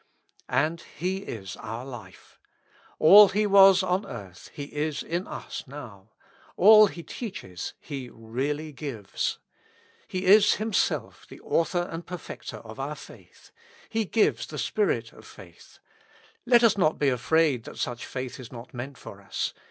And He is our life : all He was on earth He is in us now ; all He teaches He really gives. He is Himself the Author and the Perfecter of our faith : He gives the spirit of faith ; let us not be afraid that such faith is not meant for us.